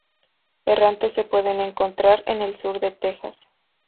Errantes se pueden encontrar en el sur de Texas.